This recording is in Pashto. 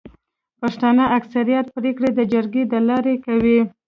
پښتانه اکثريت پريکړي د جرګي د لاري کوي.